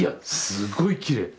すごいきれい。